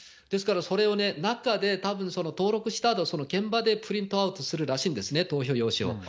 ですから、それを中で、たぶんその、登録したあと、現場でプリントアウトするらしいんですね、投票用紙を。